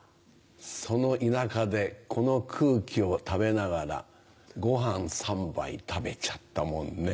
その田舎でこの空気を食べながらご飯３杯食べちゃったもんね。